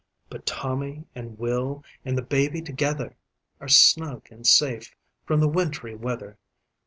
But Tommy and Will and the baby together Are snug and safe from the wintry weather.